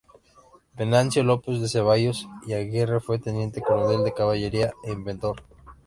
Venancio López de Ceballos y Aguirre fue teniente coronel de caballería e inventor.